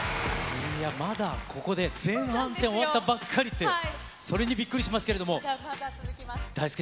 まだここで前半戦、終わったばっかりって、それにびっくりしますけれども。